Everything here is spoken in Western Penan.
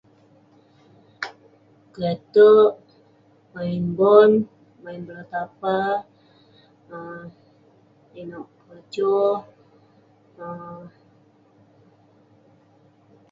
Kelete'erk, maen bon, mean bola tampar, um inouk, poco. um